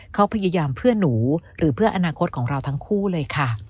เขาพยายามเพื่อหนูหรือเพื่ออนาคตของเราทั้งคู่เลยค่ะ